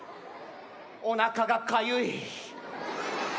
おなかがかゆい。